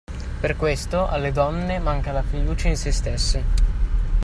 Per questo alle donne manca la fiducia in se stesse.